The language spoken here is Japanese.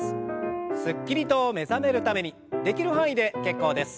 すっきりと目覚めるためにできる範囲で結構です。